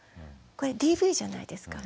これＤＶじゃないですか。